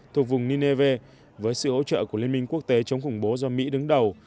thuộc vùng nineveh với sự ỗ trợ của liên minh quốc tế chống khủng bố do mỹ đứng đầu